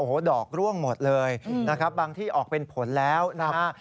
โอ้โหดอกร่วงหมดเลยนะครับบางที่ออกเป็นผลแล้วนะฮะ